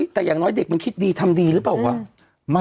แต่อย่างน้อยเด็กมันคิดดีทำดีหรือเปล่าวะ